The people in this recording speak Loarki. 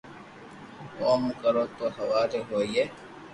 اج مون ڪرو تو ھواري ھوئي